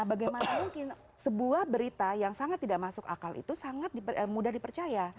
bagaimana mungkin sebuah berita yang sangat tidak masuk akal itu sangat mudah dipercaya